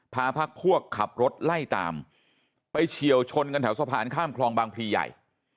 พาพักพวกขับรถไล่ตามไปเฉียวชนกันแถวสะพานข้ามคลองบางพลีใหญ่